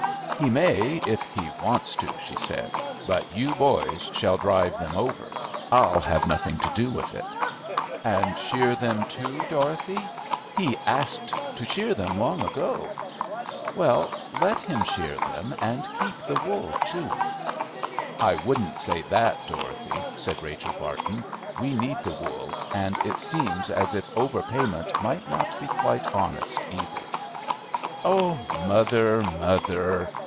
"He may, if he wants to," she said; "but you boys shall drive them over. I'll have nothing to do with it." "And shear them too, Dorothy? He asked to shear them long ago." "Well, let him shear them and keep the wool too." "I wouldn't say that, Dorothy," said Rachel Barton. "We need the wool, and it seems as if over payment might not be quite honest, either." "Oh, mother, mother!